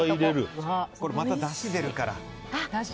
また、だしが出るから。